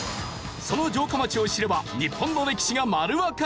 その城下町を知れば日本の歴史が丸わかり！